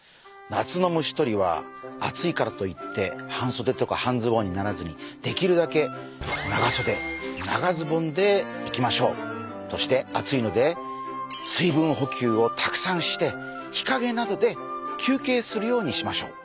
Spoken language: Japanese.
夏の虫とりは暑いからといって半そでとか半ズボンにならずにできるだけそして暑いので水分補給をたくさんして日かげなどで休けいするようにしましょう。